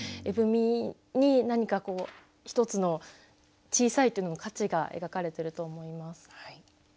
絵踏に何かこう一つの小さいというのの価値が描かれていると思います。